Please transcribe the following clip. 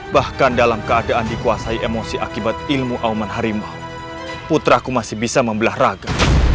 bahkan dalam keadaan dikuasai emosi akibat ilmu aman harimau putraku masih bisa membelah raga